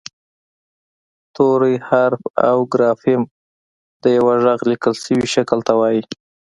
توری حرف او ګرافیم د یوه غږ لیکل شوي شکل ته وايي